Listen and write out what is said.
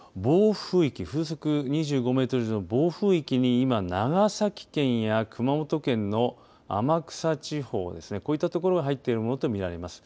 風速２５メートルの暴風域に今、長崎県や熊本県の天草地方ですね、こういったところ入っているものと見られます。